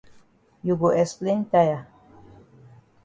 You go explain tire.